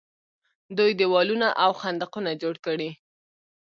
دوی دیوالونه او خندقونه جوړ کړي.